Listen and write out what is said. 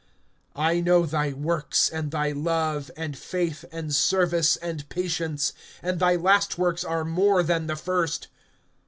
(19)I know thy works, and thy love, and faith, and service, and patience; and thy last works are more than the first.